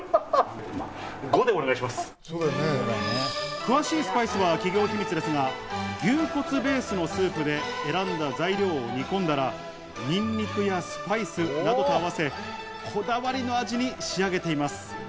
詳しいスパイスは企業秘密ですが、牛骨ベースのスープで選んだ材料を煮込んだらニンニクやスパイスなどと合わせ、こだわりの味に仕上げています。